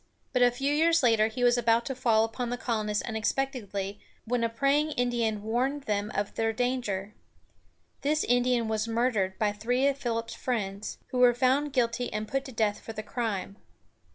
But a few years later, he was about to fall upon the colonists unexpectedly, when a praying Indian warned them of their danger. This Indian was murdered by three of Philip's friends, who were found guilty and put to death for the crime.